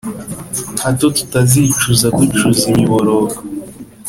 Hato tutazicuza ducuze imiborogo